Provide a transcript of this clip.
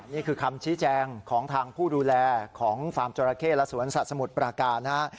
นี่คือคำชี้แจงของทางผู้ดูแลของฟาร์มจราเข้และสวนสัตว์สมุทรปราการนะฮะ